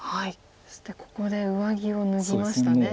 そしてここで上着を脱ぎましたね